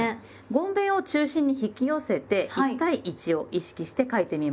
ごんべんを中心に引き寄せて１対１を意識して書いてみましょう。